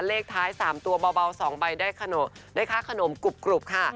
เลขท้าย๓ตัวเบา๒ใบได้ค่าขนมกรุบค่ะ